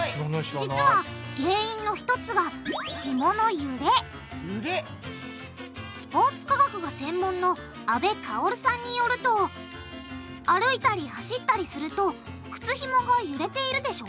実は原因の１つがスポーツ科学が専門の阿部薫さんによると歩いたり走ったりすると靴ひもがゆれているでしょ？